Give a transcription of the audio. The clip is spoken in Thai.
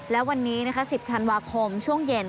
และวันนี้๑๐ธันวาคมช่วงเย็น